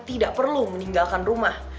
tidak perlu meninggalkan rumah